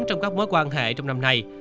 trong các mối quan hệ trong năm nay